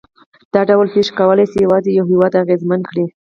دا ډول پېښې کولای شي یوازې یو هېواد اغېزمن کړي.